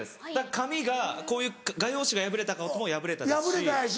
紙がこういう画用紙が破れたことも「破れた」ですし。